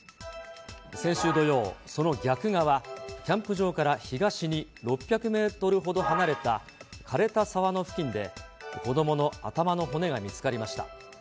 先週土曜、その逆側、キャンプ場から東に６００メートルほど離れたかれた沢の付近で、子どもの頭の骨が見つかりました。